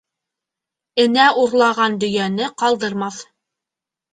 Энә урлаған дөйәне ҡалдырмаҫ.